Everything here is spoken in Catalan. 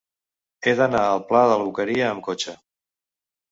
He d'anar al pla de la Boqueria amb cotxe.